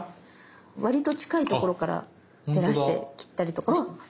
割と近いところから照らして切ったりとかはしてます。